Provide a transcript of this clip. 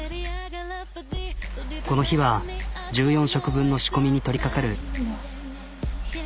この日は１４食分の仕込みに取りかかる。